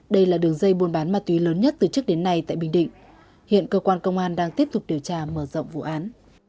đây là đường dây buôn bán ma túy lớn nhất từ trước đến nay tại bình định hiện cơ quan công an đang tiếp tục điều tra mở rộng vụ án